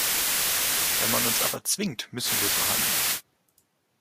Wenn man uns aber zwingt, müssen wir so handeln.